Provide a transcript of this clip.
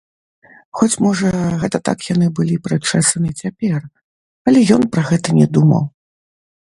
Хоць, можа, гэта так яны былі прычэсаны цяпер, але ён пра гэта не думаў.